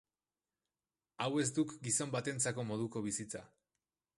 Hau ez duk gizon batentzako moduko bizitza.